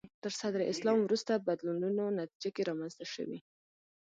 تر صدر اسلام وروسته بدلونونو نتیجه کې رامنځته شوي